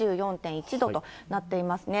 ２４．１度となっていますね。